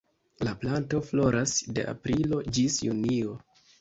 La planto floras de aprilo ĝis junio.